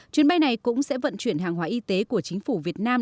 chuyến bay này cũng sẽ vận chuyển hàng hóa y tế của chính phủ việt nam